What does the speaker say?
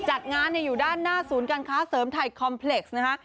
จัดงานอยู่ด้านหน้าศูนย์การค้าเสริมไทยคอมเพล็กซ์นะคะ